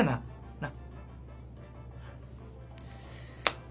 なっ。